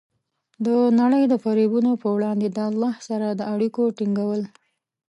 د نړۍ د فریبونو په وړاندې د الله سره د اړیکو ټینګول.